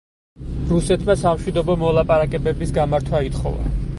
რუსეთმა სამშვიდობო მოლაპარაკებების გამართვა ითხოვა.